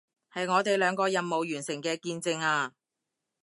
係我哋兩個任務完成嘅見證啊